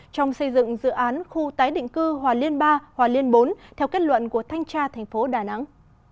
trong xây dựng dự án khu tái định cư hòa liên ba hòa liên bốn theo kết luận của thanh tra thành phố đà nẵng